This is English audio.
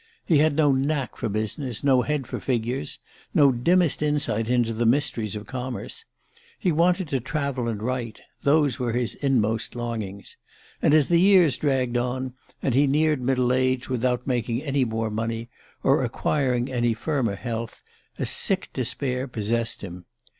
He had no knack for business, no head for figures, no dimmest insight into the mysteries of commerce. He wanted to travel and write those were his inmost longings. And as the years dragged on, and he neared middle age without making any more money, or acquiring any firmer health, a sick despair possessed him.